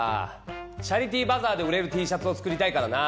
チャリティーバザーで売れるＴシャツを作りたいからな。